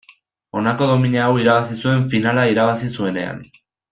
Honako domina hau irabazi zuen finala irabazi zuenean.